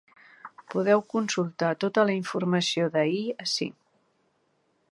Podeu consultar tota la informació d’ahir ací.